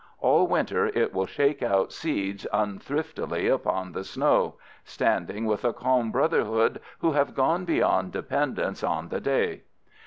All winter it will shake out seeds unthriftily upon the snow, standing with a calm brotherhood who have gone beyond dependence on the day.